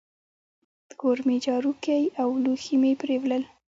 کور مي جارو کی او لوښي مي پرېولل.